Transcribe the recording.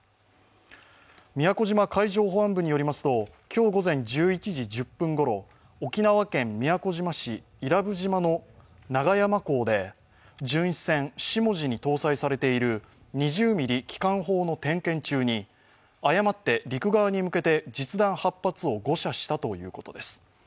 宮古島海上保安部によりますと今日午前１１時１０分ごろ、沖縄県宮古島市伊良部島の長山港で巡視船「しもじ」に搭載されている２０ｍｍ機関砲の点検中に、誤って陸側に向けて実弾８発を誤射したということです。